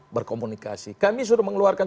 berkomunikasi kami sudah mengeluarkan